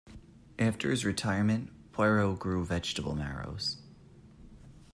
After his retirement, Poirot grew vegetable marrows.